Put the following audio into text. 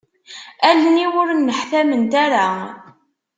Allen-iw ur nneḥtament ara.